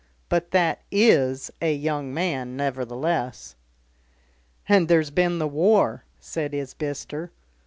But that is a young man nevertheless." "And there's been the War," said Isbister.